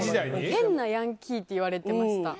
変なヤンキーって言われてました。